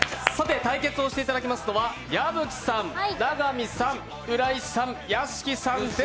対決していただきますのは矢吹さん、永見さん、浦井さん、屋敷さんです。